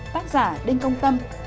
tác giả đinh công tâm